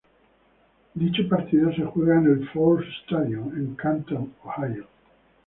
Dicho partido se juega en el Fawcett Stadium, en Canton, Ohio.